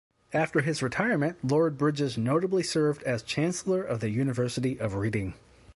After his retirement Lord Bridges notably served as Chancellor of the University of Reading.